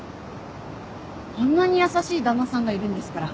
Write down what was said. こんなに優しい旦那さんがいるんですから。